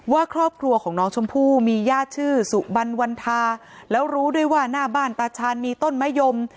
ว่าครอบครัวของน้องชมพู่มีญาติชื่อสุบันวันทาแล้วรู้ด้วยว่าหน้าบ้านตาชาญมีต้นมะยม